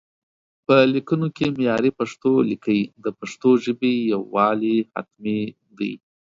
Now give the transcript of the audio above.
په ليکونو کې معياري پښتو ليکئ، د پښتو ژبې يووالي حتمي دی